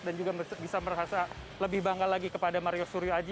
dan juga bisa merasa lebih bangga lagi kepada mario suryo aji